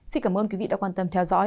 xin cảm ơn quý vị đã quan tâm theo dõi